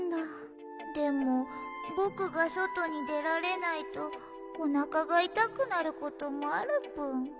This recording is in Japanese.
でもぼくがそとにでられないとおなかがいたくなることもあるぷん。